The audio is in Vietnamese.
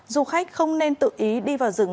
du khách không nên tự ý đi vào rừng